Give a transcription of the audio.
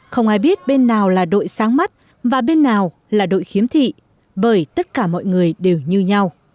không ai biết bên nào là đội sáng mắt và bên nào là đội khiếm thị bởi tất cả mọi người đều như nhau